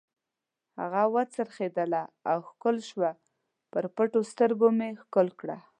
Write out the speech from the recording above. هغه و څرخېدله او ښکل شوه، پر پټو سترګو مې ښکل کړه.